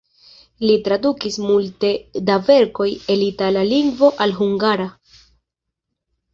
Li tradukis multe da verkoj el itala lingvo al hungara.